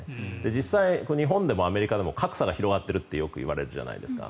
実際に日本でもアメリカでも格差が広がっているってよく言われるじゃないですか。